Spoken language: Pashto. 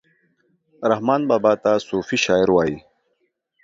رحمان بابا ته صوفي شاعر وايي